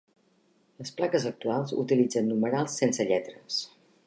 Les plaques actuals utilitzen numerals sense lletres.